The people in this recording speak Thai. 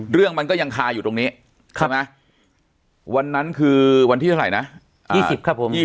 เรื่องมันก็ยังคาอยู่ตรงนี้ใช่ไหมวันนั้นคือวันที่เท่าไหร่นะ